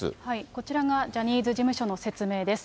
こちらがジャニーズ事務所の説明です。